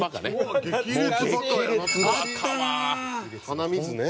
鼻水ね。